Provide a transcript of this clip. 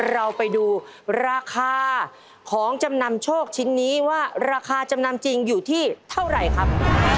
เราไปดูราคาของจำนำโชคชิ้นนี้ว่าราคาจำนำจริงอยู่ที่เท่าไหร่ครับ